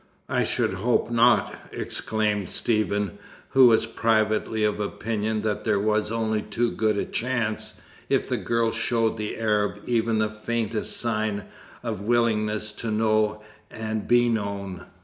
"I should hope not," exclaimed Stephen, who was privately of opinion that there was only too good a chance if the girl showed the Arab even the faintest sign of willingness to know and be known.